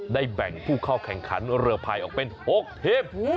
แบ่งผู้เข้าแข่งขันเรือพายออกเป็น๖ทีม